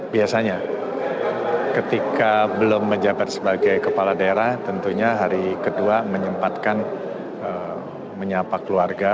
biasanya ketika belum menjabat sebagai kepala daerah tentunya hari kedua menyempatkan menyapa keluarga